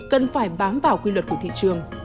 cần phải bám vào quy luật của thị trường